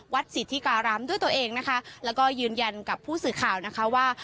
สิทธิการามด้วยตัวเองนะคะแล้วก็ยืนยันกับผู้สื่อข่าวนะคะว่า